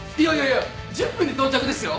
いや１０分で到着ですよ？